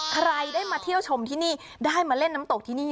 ใครได้มาเที่ยวชมที่นี่ได้มาเล่นน้ำตกที่นี่